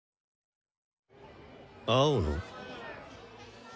青野？